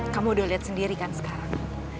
kamu udah lihat sendiri kan sekarang